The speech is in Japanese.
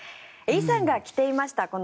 イさんが着ていました